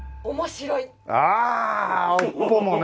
ああ尾っぽもね。